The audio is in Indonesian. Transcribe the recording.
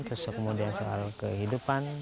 terus kemudian soal kehidupan